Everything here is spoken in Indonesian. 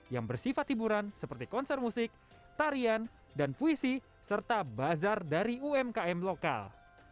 yang bersifat hiburan seperti konser musik tarian dan puisi serta bazar dari umkm lokal